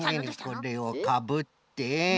これをかぶって。